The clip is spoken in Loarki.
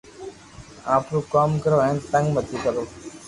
آپرو ڪوم ڪرو ھين تنگ متي ڪرو